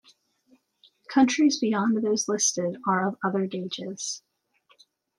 Countries beyond those listed are of other gauges.